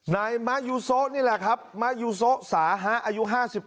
นายมะยูโซนี่แหละครับมะยูโซสาฮะอายุ๕๓